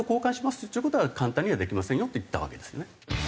っちゅう事は簡単にはできませんよって言ったわけですね。